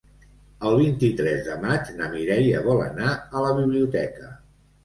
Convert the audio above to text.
El vint-i-tres de maig na Mireia vol anar a la biblioteca.